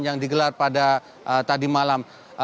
yang digelar pada tadi malam